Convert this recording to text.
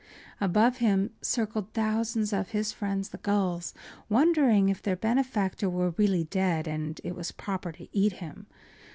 Above him circled thousands of his friends the gulls, wondering if their benefactor were really dead and it was proper to eat him.